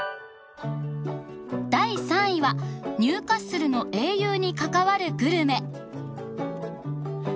第３位はニューカッスルの英雄に関わるグルメ。